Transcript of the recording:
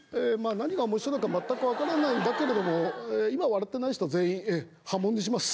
何がおもしろいのかまったく分からないだけれども今笑ってない人全員ええ破門にします。